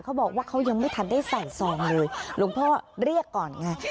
เขาบอกว่าเขายังไม่ทันได้ใส่ซองเลยหลวงพ่อเรียกก่อนไง